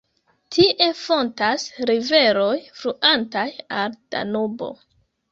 Tie fontas riveroj fluantaj al Danubo.